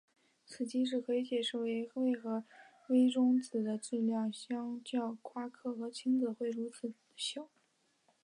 此机制可以解释为何微中子的质量相较夸克和轻子会如此地小。